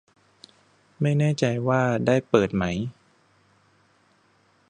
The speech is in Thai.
ไม่แน่ใจว่าได้เปิดไหม